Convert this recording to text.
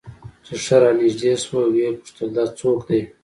چې ښه رانژدې سوه ويې پوښتل دا څوک دى.